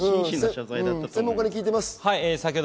専門家に聞いています。